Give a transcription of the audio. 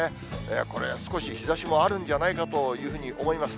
これ、少し日ざしもあるんじゃないかというふうに思います。